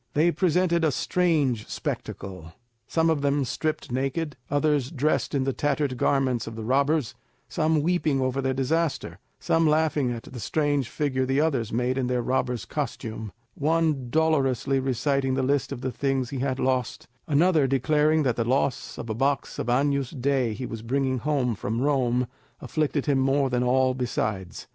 They presented a strange spectacle, some of them stripped naked, others dressed in the tattered garments of the robbers; some weeping over their disaster, some laughing at the strange figure the others made in their robber's costume; one dolorously reciting the list of the things he had lost, another declaring that the loss of a box of Agnus Dei he was bringing home from Rome afflicted him more than all besides.